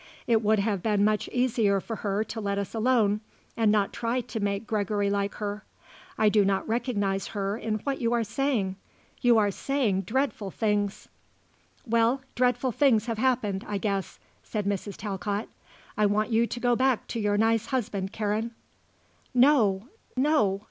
It would have been much easier for her to let us alone and not try and make Gregory like her. I do not recognise her in what you are saying. You are saying dreadful things." "Well, dreadful things have happened, I guess," said Mrs. Talcott. "I want you to go back to your nice husband, Karen." "No; no.